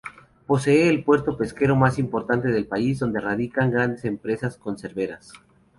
Posee el puerto pesquero más importante del país, donde radican grandes empresas conserveras.